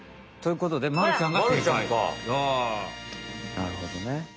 なるほどね。